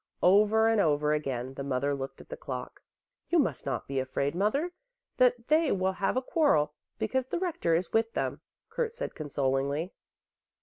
Over and over again the mother looked at the clock. "You must not be afraid, mother, that they will have a quarrel, because the rector is with them," Kurt said consolingly.